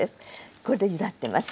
これでゆだってます。